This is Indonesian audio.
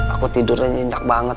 aku tidurnya nyindak banget